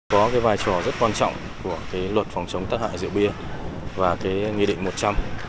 có cái vai trò rất quan trọng của cái luật phòng chống tác hại rượu bia và cái nghị định một trăm linh